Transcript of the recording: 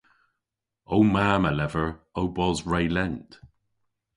Ow mamm a lever ow bos re lent.